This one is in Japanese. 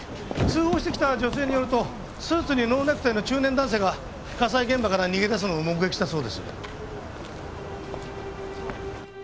通報してきた女性によるとスーツにノーネクタイの中年男性が火災現場から逃げ出すのを目撃したそうです。